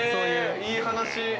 いい話。